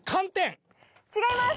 違います。